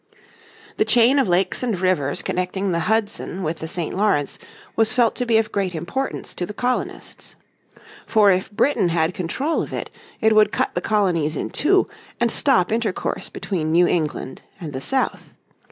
The chain of lakes and rivers connecting the Hudson with the St. Lawrence was felt to be of great importance to the colonists. For if Britain had control of it it would cut the colonies in two, and stop intercourse between New England and the south.